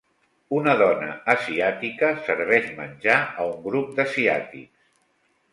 Una dona asiàtica serveix menjar a un grup d'asiàtics.